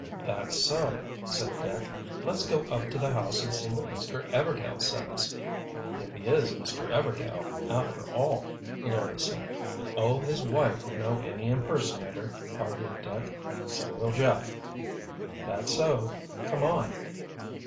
"That's so," said Dick. "Let's go up to the house and see what Mr. Everdail says." "If he is Mr. Everdail, after all," Larry said. "Oh, his wife would know any impersonator," argued Dick. "So will Jeff." "That's so. Come on."